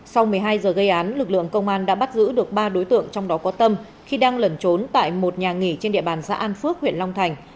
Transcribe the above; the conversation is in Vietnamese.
sau một mươi hai giờ gây án lực lượng công an đã bắt giữ được ba đối tượng trong đó có tâm khi đang lẩn trốn tại một nhà nghỉ trên địa bàn xã an phước huyện long thành